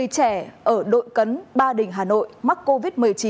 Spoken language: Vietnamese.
hai mươi trẻ ở đội cấn ba đình hà nội mắc covid một mươi chín